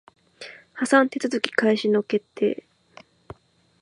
破産手続開始の決定